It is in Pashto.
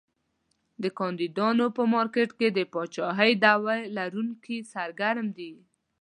د کاندیدانو په مارکېټ کې د پاچاهۍ دعوی لرونکي سرګرم دي.